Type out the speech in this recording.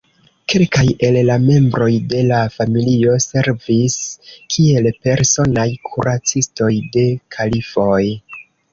Kelkaj el la membroj de la familio servis kiel personaj kuracistoj de kalifoj.